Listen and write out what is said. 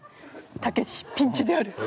「たけしピンチである」。